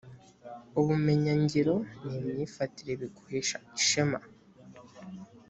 ubumenyingiro ni myifatire biguhesha ishema.